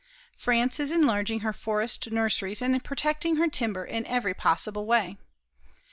France is enlarging her forest nurseries and protecting her timber in every possible way.